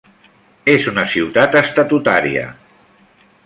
És una ciutat estatutària.